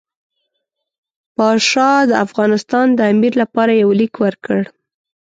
پاشا د افغانستان د امیر لپاره یو لیک ورکړ.